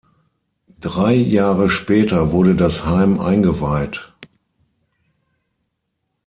Drei Jahre später wurde das Heim eingeweiht.